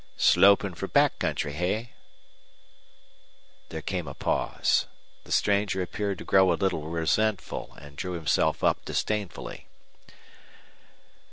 "Slopin' fer back country, eh?" There came a pause. The stranger appeared to grow a little resentful and drew himself up disdainfully.